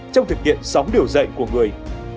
trong thực hiện sáu điều dạy của người